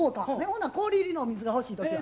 ほな氷入りのお水が欲しい時は？